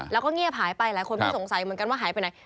แล้วก็เงียบหายไปหลายคนก็สงสัยเหมือนกันว่าหายไปไหน